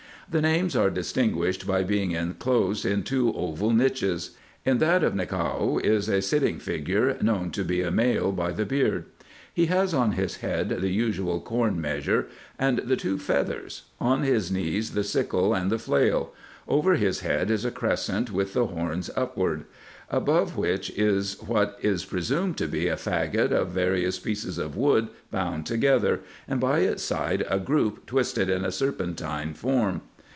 The names are distinguished by being inclosed in two oval niches. In that of Nichao is a sitting figure, known to be a male by the beard. He has on his head the usual corn measure. IN EGYPT, NUBIA, &c. 241 and the two feathers ; on his knees the sickle and the flail : over his head is a crescent with the horns upward : above which is what is presumed to be a faggot of various pieces of wood bound together, and by its side a group twisted in a serpentine form.